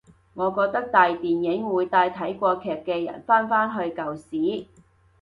我覺得大電影會帶睇過劇嘅人返返去舊時